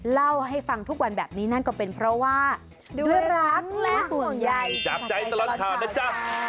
เล่าให้ฟังทุกวันแบบนี้นั่นก็เป็นเพราะว่าด้วยรักและห่วงใยจากใจตลอดข่าวนะจ๊ะ